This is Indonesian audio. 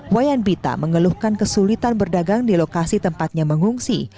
wayan bita mengeluhkan kesulitan berdagang di lokasi tempatnya mengungsi